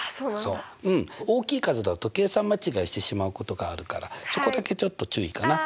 うん大きい数だと計算間違いしてしまうことがあるからそこだけちょっと注意かな。